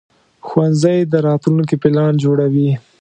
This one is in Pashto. ښوونځی د راتلونکي پلان جوړوي